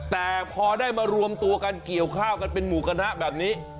แต่พอได้มารวมตัวกันเกี่ยวข้าวกันเป็นหมูกระทะแบบนี้